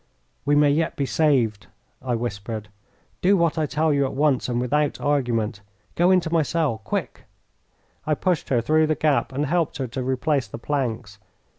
"We may yet be saved," I whispered. "Do what I tell you at once and without argument. Go into my cell. Quick!" I pushed her through the gap and helped her to replace the planks.